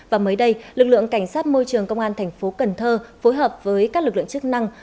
và mới đây lực lượng cảnh sát môi trường công an thành phố cần thơ phối hợp với các lực lượng chức năng